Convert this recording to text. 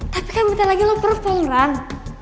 tapi kan bentar lagi lo perv peng rang